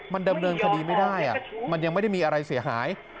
มันดำเนินคดีไม่ได้มันยังไม่ได้มีอะไรเสียหาย